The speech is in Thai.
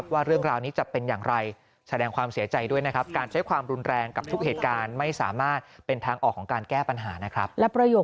วันนี้ของคุณคิงนะคะ